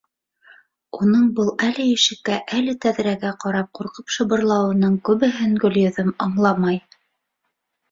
Уның был әле ишеккә, әле тәҙрәгә ҡарап ҡурҡып шыбырлауының күбеһен Гөлйөҙөм аңламай.